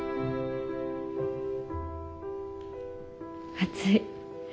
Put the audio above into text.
暑い。